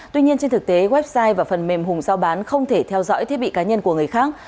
tuy nhiên trên thực tế website và phần mềm hùng giao bán không thể theo dõi thiết bị cá nhân của người khác